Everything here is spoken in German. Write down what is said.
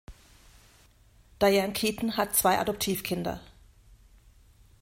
Diane Keaton hat zwei Adoptivkinder.